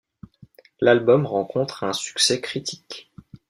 L'album rencontre un succès critique.